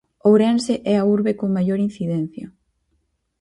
Ourense é a urbe con maior incidencia.